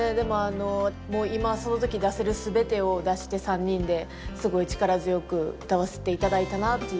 今その時出せる全てを出して３人ですごい力強く歌わせて頂いたなっていう記憶があります。